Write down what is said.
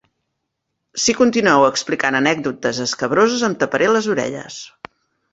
Si continueu explicant anècdotes escabroses, em taparé les orelles.